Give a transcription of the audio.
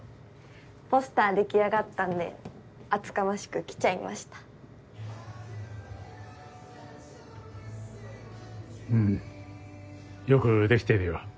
ポスター出来上がったんで厚かましく来ちゃいました。んよく出来てるよ。